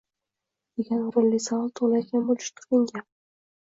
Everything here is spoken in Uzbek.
degan o‘rinli savol tug‘ilayotgan bo‘lishi turgan gap.